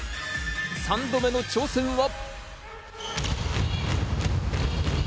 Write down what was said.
３度目の挑戦は？